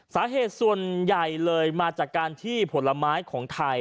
สาเหตุส่วนใหญ่เลยมาจากการที่ผลไม้ของไทย